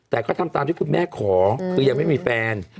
แต่ก็ทำตามที่คุณแม่ขอคือยังไม่มีแฟน